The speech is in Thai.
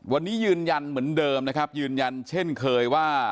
วันนี้ยืนยันเหมือนเดิมนะครับยืนยันเช่นเคยว่า